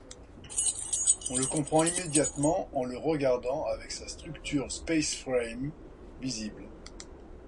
On le comprend immédiatement en le regardant avec sa structure space-frame visible.